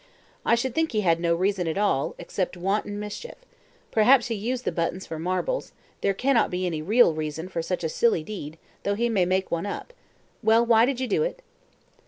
"I should think he had no reason at all except wanton mischief. Perhaps he used the buttons for marbles; there cannot be any real reason for such a silly deed, though he may make one up. Well, why did you do it?"